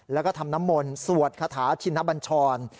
แล้วก็ทำน้ำมนต์สวดคาถาชินบัญชร